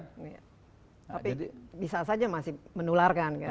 tapi bisa saja masih menularkan kan